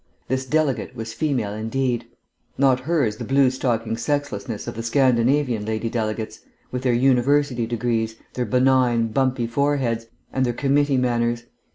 This delegate was female indeed. Not hers the blue stocking sexlessness of the Scandinavian lady delegates, with their university degrees, their benign, bumpy foreheads, and their committee manners.